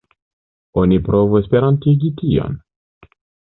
Oni provu esperantigi tion.